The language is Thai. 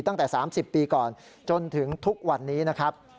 ตั้งแต่๓๐ปีก่อนจนถึงทุกวันนี้นะครับ